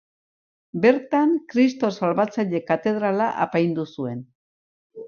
Bertan Kristo Salbatzaile katedrala apaindu zuen.